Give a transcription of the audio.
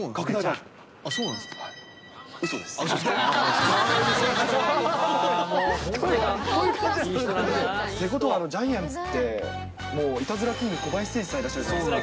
いい人なんだなー。ということは、ジャイアンツって、もういたずらキング、小林誠司さんいらっしゃるじゃないですか。